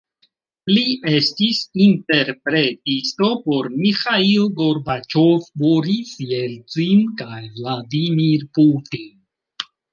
Li estis interpretisto por Miĥail Gorbaĉov, Boris Jelcin, kaj Vladimir Putin.